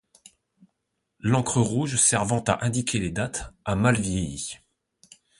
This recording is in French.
L’encre rouge servant à indiquer les dates a mal vieilli.